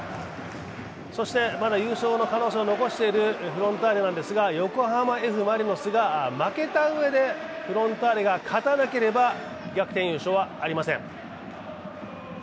そして、まだ有症の可能性を残しているフロンターレですが、横浜Ｆ・マリノスが負けたうえで、フロンターレが勝たなければ逆転優勝はありません。